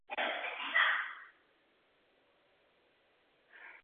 Konečně Boleslav sám o získání královské koruny usiloval na konci své vlády.